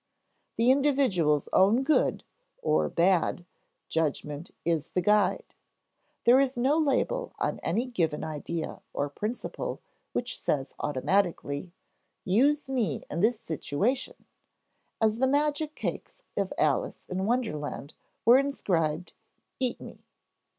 The individual's own good (or bad) judgment is the guide. There is no label on any given idea or principle which says automatically, "Use me in this situation" as the magic cakes of Alice in Wonderland were inscribed "Eat me."